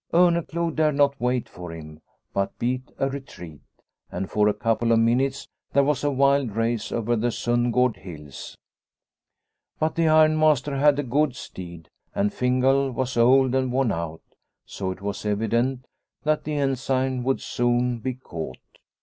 Orneclou dared not wait for him, but beat a retreat, and for a couple of minutes there was a wild race over the Sundgard hills. 190 Liliecrona's Home But the ironmaster had a good steed, and Fingal was old and worn out, so it was evident that the Ensign would soon be caught.